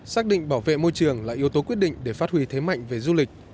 xác định bảo vệ môi trường là yếu tố quyết định để phát huy thế mạnh về du lịch